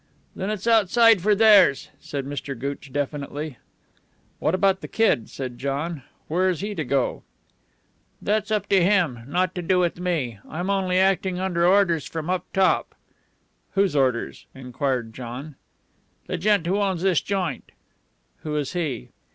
"Then it's outside for theirs," said Mr. Gooch definitely. "What about the kid?" said John. "Where's he to go?" "That's up to him. Nothing to do with me. I'm only acting under orders from up top." "Whose orders?" enquired John. "The gent who owns this joint." "Who is he?"